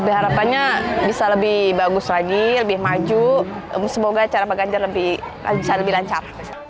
harapannya bisa lebih bagus lagi lebih maju semoga acara pak ganjar bisa lebih lancar